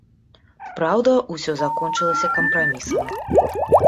Праўда, усё закончылася кампрамісам.